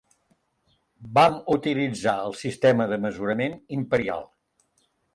Vam utilitzar el sistema de mesurament imperial.